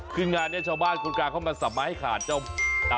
คืองานนี้ชาวบ้านคนกลางเข้ามาสับมาให้ขาดเจ้า